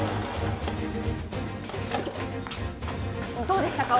どうでしたか？